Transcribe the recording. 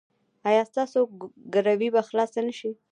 ایا ستاسو ګروي به خلاصه نه شي؟